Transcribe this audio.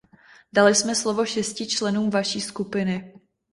Dali jsme slovo šesti členům vaší skupiny.